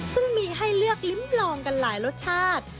ซึ่งมีให้เลือกลิ้มลองกันหลายรสชาติ